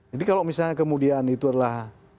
jadi kalau misalnya kemudian itu adalah